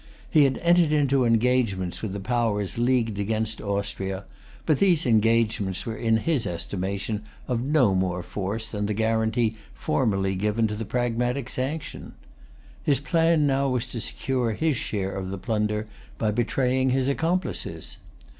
He had entered into engagements with the powers leagued against Austria; but these engagements were in his estimation of no more force than the guarantee formerly given to the Pragmatic Sanction. His plan now was to secure his share of the plunder by betraying his accomplices.